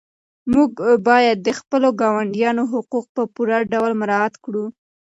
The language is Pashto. موږ باید د خپلو ګاونډیانو حقوق په پوره ډول مراعات کړو.